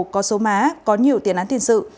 có số má có nhiều tiền án tiền sự